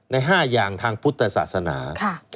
ใน๕อย่างทางพุทธศาสนา